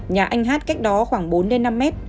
nhà anh hát cách đó khoảng bốn năm m